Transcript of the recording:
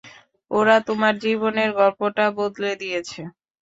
ওরা তোমার জীবনের গল্পটা বদলে দিয়েছে।